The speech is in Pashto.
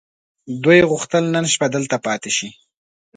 دوی غوښتل نن شپه دلته پاتې شي.